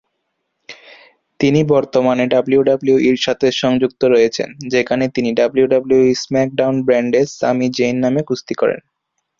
তিনি বর্তমানে ডাব্লিউডাব্লিউইর সাথে সংযুক্ত রয়েছেন, যেখানে তিনি ডাব্লিউডাব্লিউই স্ম্যাকডাউন ব্র্যান্ডে সামি জেইন নামে কুস্তি করেন।